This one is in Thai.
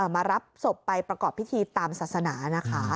มารับศพไปประกอบพิธีตามศาสนานะคะ